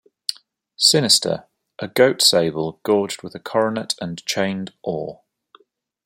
Sinister: a Goat Sable, gorged with a Coronet and chained Or.